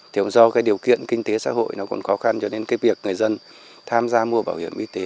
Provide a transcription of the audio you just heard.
thì do cái điều kiện kinh tế xã hội nó còn khó khăn cho nên cái việc người dân tham gia mua bảo hiểm y tế